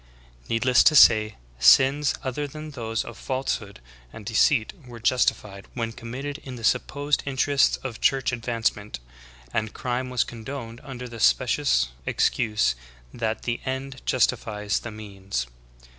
"'' Needless to say, sins other than those of falsehood and de ceit were justified when committed in the supposed inter ests of church advancement, and crime vras condoned under the specious excuse that the end justifies the means.